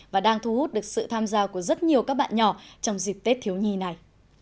và đang thu hút được sự tham gia của rất nhiều các bạn nhỏ trong dịp tết thiếu nhi này